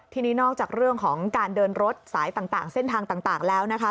ทีนี้นอกจากเรื่องของการเดินรถสายต่างเส้นทางต่างแล้วนะคะ